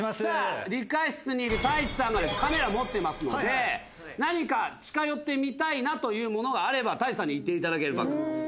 さぁ理科室にいる太一さんがカメラ持ってますので何か近寄ってみたいなというものがあれば太一さんに言っていただければと。